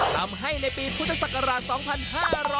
ทำให้ในปีพุทธศักราช๒๕๕๙